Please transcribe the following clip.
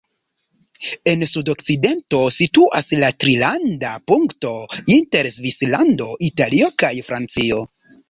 En sudokcidento situas la trilanda punkto inter Svislando, Italio kaj Francio.